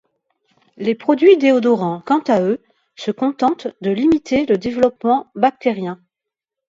Les produits déodorants, quant à eux, se contentent de limiter le développement bactérien.